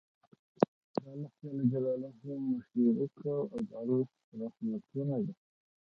الله ج مو شريک کړی او د الله رحمتونه دي